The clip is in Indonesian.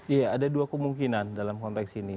iya ada dua kemungkinan dalam konteks ini